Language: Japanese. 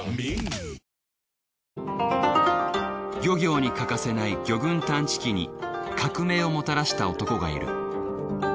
漁業に欠かせない魚群探知機に革命をもたらした男がいる。